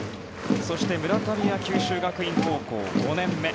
そして、村上は九州学院高校、５年目。